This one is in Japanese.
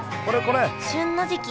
旬の時期